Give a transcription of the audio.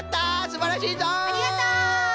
すばらしいぞい！